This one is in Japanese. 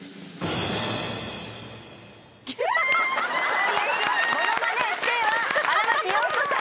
最優秀ものまね師弟は荒牧陽子さん